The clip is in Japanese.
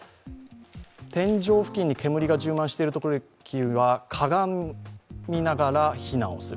天井付近に煙が充満している場合はかがみながら避難をする。